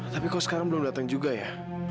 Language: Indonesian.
tapi kok sekarang belum datang juga ya